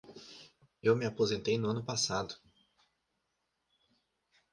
Eu me aposentei no ano passado.